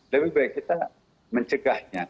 lebih baik kita mencegahnya